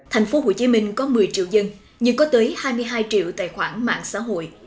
thành phố hồ chí minh có một mươi triệu dân nhưng có tới hai mươi hai triệu tài khoản mạng xã hội